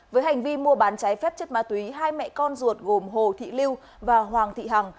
với hành vi mua bán trái phép chất ma túy hai mẹ con ruột gồm hồ thị lưu và hoàng thị hằng